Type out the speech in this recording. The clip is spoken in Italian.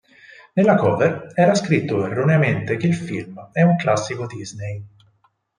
Nella cover era scritto erroneamente che il film è un Classico Disney.